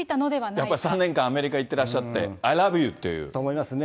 やっぱり３年間アメリカに行ってらっしゃって。と思いますね。